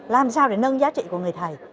làm sao để nâng giá trị của người thầy